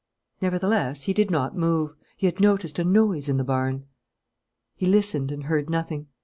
Nevertheless, he did not move. He had noticed a noise in the barn. He listened and heard nothing.